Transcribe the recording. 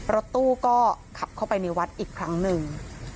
รถตู้ก็ขับเข้าไปในวัดอีกครั้งหนึ่ง